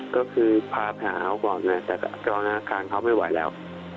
ก็คือพาแผนเขาก่อนแต่กรณาการเขาไม่ไหวแล้ว